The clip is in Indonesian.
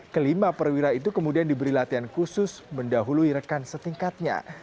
kelima perwira itu kemudian diberi latihan khusus mendahului rekan setingkatnya